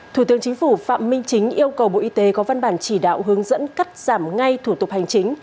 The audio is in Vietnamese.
thủ tướng chính phủ phạm minh chính yêu cầu bộ y tế có văn bản chỉ đạo hướng dẫn cắt giảm ngay thủ tục hành chính